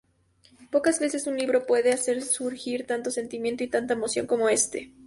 Pocas veces un libro puede hacer surgir tanto sentimiento y tanta emoción como este.